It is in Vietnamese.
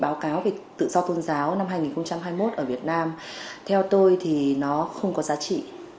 báo cáo về tự do tôn giáo năm hai nghìn hai mươi một ở việt nam theo tôi thì nó không có giá trị